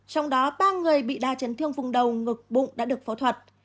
trong đó ba người bị đa chấn thương vùng đầu ngực bụng đã được phẫu thuật